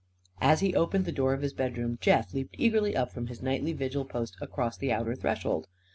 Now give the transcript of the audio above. As he opened the door of his bedroom Jeff leaped eagerly up from his nightly vigil post across the outer threshold.